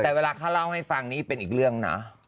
แต่เวลาเขาเล่าให้ฟังนี่เป็นอีกเรื่องนะ